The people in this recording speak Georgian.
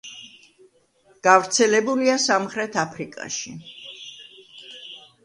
გავრცელებულია სამხრეთ აფრიკაში.